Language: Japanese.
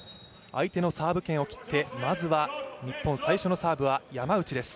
相手のサーブ権を切ってまずは日本最初のサーブは山内です。